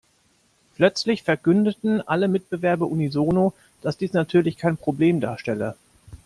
Plötzlich verkündeten alle Mitbewerber unisono, dass dies natürlich kein Problem darstelle.